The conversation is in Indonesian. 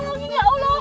tolongin ya allah